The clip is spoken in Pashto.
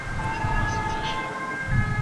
ایا ته له خپل لارښود استاد څخه راضي یې؟